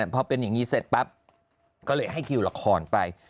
พอเป็นอย่างนี้เสร็จปั๊บก็เลยให้คิวละครไป